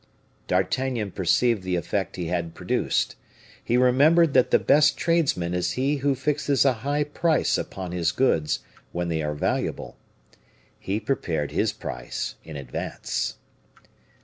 D'Artagnan perceived the effect he had produced. He remembered that the best tradesman is he who fixes a high price upon his goods, when they are valuable. He prepared his price in advance.